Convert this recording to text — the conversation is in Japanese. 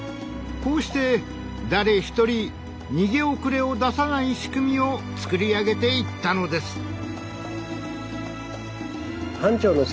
こうして誰ひとり逃げ遅れを出さない仕組みを作り上げていったのです。